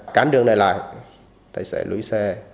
cán đường này lại tài xế lúi xe